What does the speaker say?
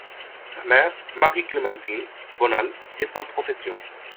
Sa mère, Marie Clémentine Bonal est sans profession.